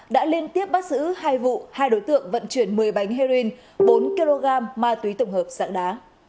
đã liên tiếp bắt giữ hai vụ hai đối tượng vận chuyển một mươi bánh heroin bốn kg ma túy tổng hợp dạng đá